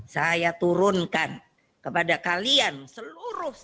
saya turunkan kepada kalian seluruh